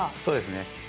そうですね